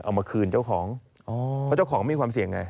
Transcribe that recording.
เอามาคืนเจ้าของเพราะเจ้าของมีความเสี่ยงไง